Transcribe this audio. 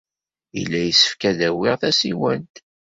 Yella yessefk ad d-awiɣ tasiwant.